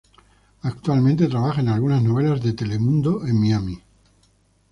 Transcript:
Actualmente trabaja en algunas novelas de Telemundo en Miami.